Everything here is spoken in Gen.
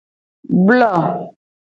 Blo.